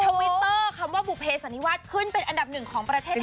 ทวิตเตอร์คำว่าบุเภสันนิวาสขึ้นเป็นอันดับหนึ่งของประเทศไทย